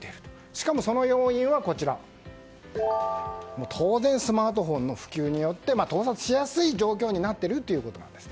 しかも、その要因は当然スマートフォンの普及によって盗撮しやすい状況になっているということなんです。